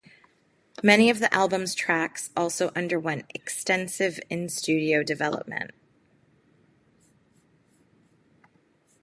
Many of the album's tracks also underwent extensive in-studio development.